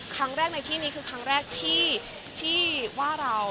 ครั้งแรกในที่นี้คือครั้งแรกที่ว่าเรา